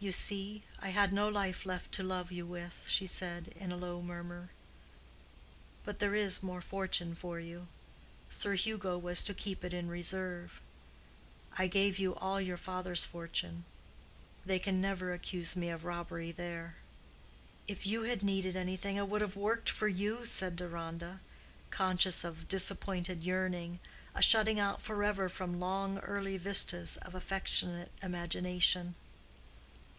"You see, I had no life left to love you with," she said, in a low murmur. "But there is more fortune for you. Sir Hugo was to keep it in reserve. I gave you all your father's fortune. They can never accuse me of robbery there." "If you had needed anything I would have worked for you," said Deronda, conscious of disappointed yearning—a shutting out forever from long early vistas of affectionate imagination.